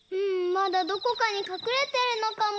まだどこかにかくれてるのかも。